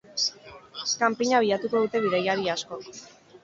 Kanpina bilatuko dute bidaiari askok.